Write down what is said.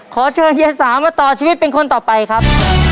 ขอเชิญเฮียสามาต่อชีวิตเป็นคนต่อไปครับ